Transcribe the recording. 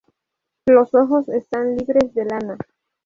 Los ojos están libres de lana.